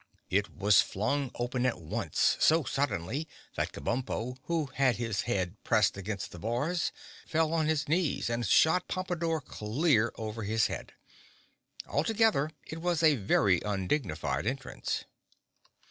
It was flung open at once, so suddenly that Kabumpo, who had his head pressed against the bars, fell on his knees and shot Pompadore clear over his head. Altogether it was a very undignified entrance.